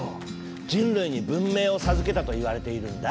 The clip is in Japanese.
人類に文明を授けたといわれているんだ。